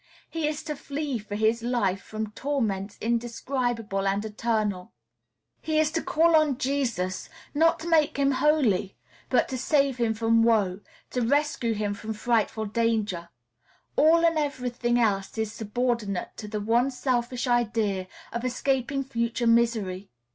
He is to "flee" for his life from torments indescribable and eternal; he is to call on Jesus, not to make him holy, but to save him from woe, to rescue him from frightful danger; all and every thing else is subordinate to the one selfish idea of escaping future misery.